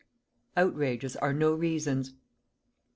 OUTRAGES ARE NO REASONS.